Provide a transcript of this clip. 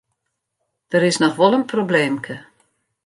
Der is noch wol in probleemke.